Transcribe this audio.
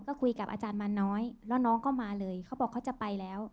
ก็คุยกับอาจารย์มาน้อยแล้วน้องก็มาเลยเขาบอกเขาจะไปแล้ว